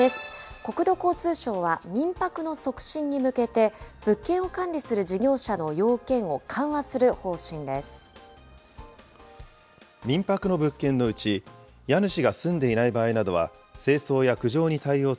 国土交通省は、民泊の促進に向けて、物件を管理する事業者の要件を緩和する方針です。